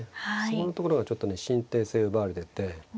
そこのところがちょっとね進展性奪われて。